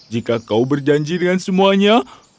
jika kau berjanji dengan semuanya